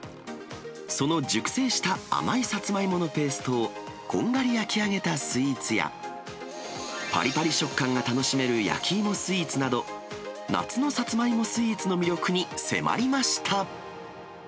その熟成した甘いサツマイモのペーストを、こんがり焼き上げたスイーツや、ぱりぱり食感が楽しめる焼きイモスイーツなど、夏のサツマイモスイーツの魅力に迫りました。